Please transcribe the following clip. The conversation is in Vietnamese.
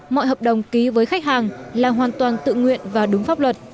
mọi hợp đồng ký với khách hàng là hoàn toàn tự nguyện và đúng pháp luật